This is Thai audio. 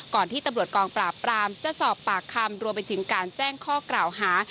ที่ตำรวจกองปราบปรามจะสอบปากคำรวมไปถึงการแจ้งข้อกล่าวหา